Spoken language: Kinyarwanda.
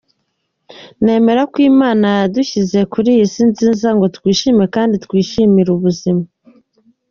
Nemera ko Imana yadushyize muri iyi si nziza ngo twishime kandi twishimire ubuzima.